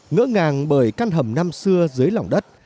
ngỡ ngàng bởi căn hầm năm xưa dưới lòng đất